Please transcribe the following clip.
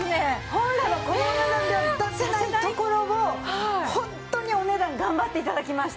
本来はこのお値段では出せないところをホントにお値段頑張って頂きました。